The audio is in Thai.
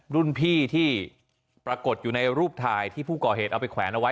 รุ่นพี่ที่ปรากฏอยู่ในรูปถ่ายที่ผู้ก่อเหตุเอาไปแขวนเอาไว้